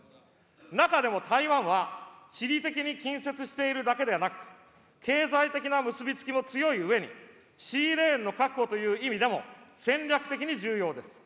中でも台湾は、地理的に近接しているだけではなく、経済的な結び付きも強いうえに、シーレーンの確保という意味でも、戦略的に重要です。